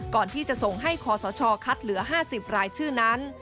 ก่อนที่จะส่งให้คอสชคัดเหลือ๕๐รายชื่อนั้น